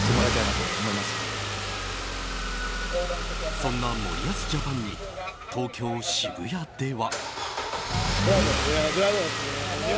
そんな森保ジャパンに東京・渋谷では。